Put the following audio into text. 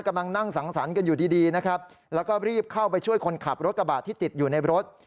กำลังนั่งสังสรรค์กันอยู่ดีดีนะครับแล้วก็รีบเข้าไปช่วยคนขับรถกระบะที่ติดอยู่ในรถ